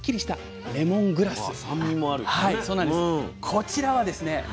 こちらはですね